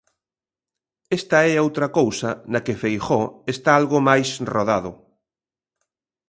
Esta é outra cousa na que Feijóo está algo máis rodado.